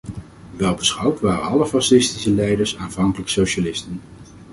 Welbeschouwd waren alle fascistische leiders aanvankelijk socialisten.